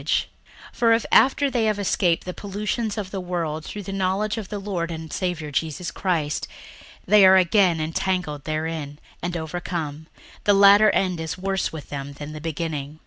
61:002:020 For if after they have escaped the pollutions of the world through the knowledge of the Lord and Saviour Jesus Christ, they are again entangled therein, and overcome, the latter end is worse with them than the beginning.